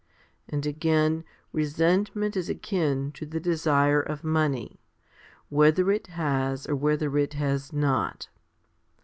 And again, resentment is akin to the desire of money, whether it has or whether it has not.